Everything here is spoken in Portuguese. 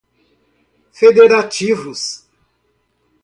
federativos